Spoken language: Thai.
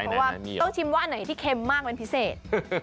เพราะว่าต้องชิมว่าอันไหนที่เค็มมากเป็นพิเศษ